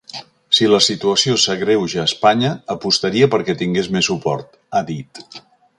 Si la situació s’agreuja a Espanya, apostaria perquè tingués més suport, ha dit.